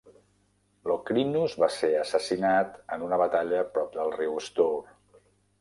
Locrinus va ser assassinat en una batalla prop del riu Stour.